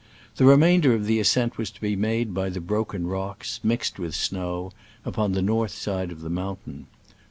The remainder of the ascent was to be made by the broken rocks, mixed with snow, upon the north side. of the mountain.